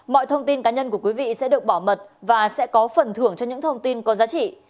mọi thông tin cá nhân của quý vị sẽ được bảo mật và sẽ có phần thưởng cho những thông tin có giá trị